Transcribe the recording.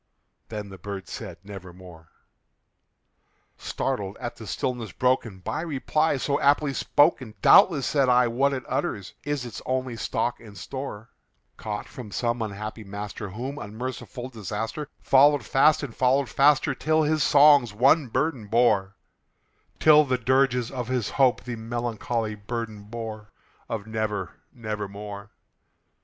Then the bird said, "Nevermore." Startled at the stillness broken by reply so aptly spoken, "Doubtless," said I, "what it utters is its only stock and store, Caught from some unhappy master whom unmerciful Disaster Followed fast and followed faster till his songs one burden bore Till the dirges of his Hope the melancholy burden bore Of 'Never nevermore.'"